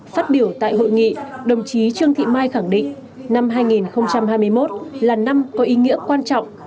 phát biểu tại hội nghị đồng chí trương thị mai khẳng định năm hai nghìn hai mươi một là năm có ý nghĩa quan trọng